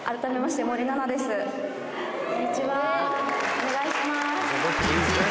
お願いします。